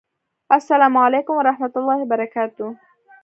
السلام علیکم ورحمة الله وبرکاته!